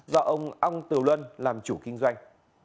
do ông tử luân làm chủ kinh doanh